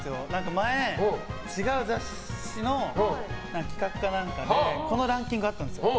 前、違う雑誌の企画か何かでこのランキングあったんです。